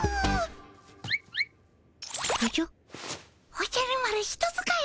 おじゃる丸人使い